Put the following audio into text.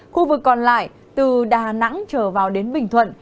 khu vực còn lại từ đà nẵng trở vào đến bình thuận